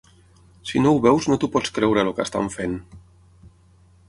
Si no ho veus, no t’ho pots creure, el que estan fent.